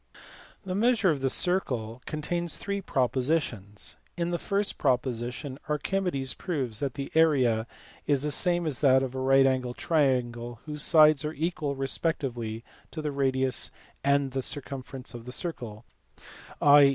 (a) The Measure of the Circle contains three propositions. In the first proposition Archimedes proves that the area is the same as that of a right angled triangle whose sides are equal respectively to the radius a and the circumference of the circle, i.